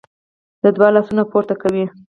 د دعا لاسونه پورته کوي.